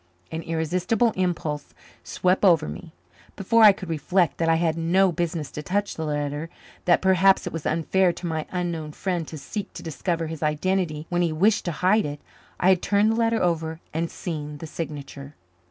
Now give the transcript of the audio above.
An irresistible impulse swept over me. Before I could reflect that I had no business to touch the letter, that perhaps it was unfair to my unknown friend to seek to discover his identity when he wished to hide it, I had turned the letter over and seen the signature.